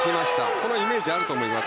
そのイメージがあると思います。